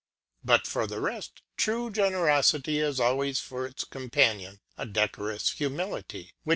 But for the Reft, true Generofity has always for its Companion a decorous Humility^ which CIi.